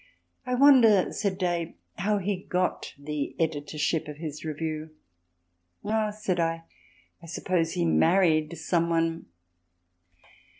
"I wonder," said Day, "how he got the editorship of his review?" "Oh," said I, "I suppose he married some one."